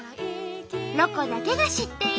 「ロコだけが知っている」。